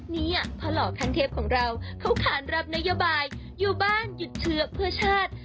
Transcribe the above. เนี่ยพ่อหล่อขั้นเทพของเราเขาขานรับนโยบายอยู่บ้านหยุดเชื้อเพื่อชาติ